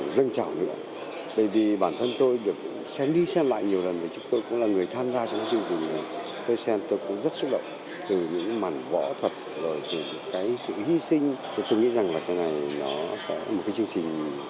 rất xúc động từ những màn võ thật từ sự hy sinh tôi nghĩ rằng là cái này nó sẽ là một cái chương trình